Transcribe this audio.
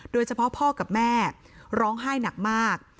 โดยเฉพาะพ่อกับแม่ร้องไห้หนักมาก